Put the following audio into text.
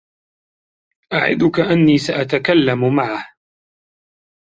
أعدك أنّي سأتكلّم معه.